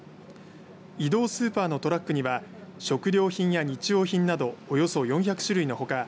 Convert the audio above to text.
移動スーパーのトラックには食料品や日用品などおよそ４００種類のほか